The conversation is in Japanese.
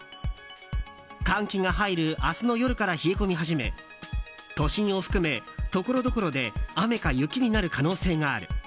寒気が入る明日の夜から冷え込み始め都心を含め、ところどころで雨か雪になる可能性がある。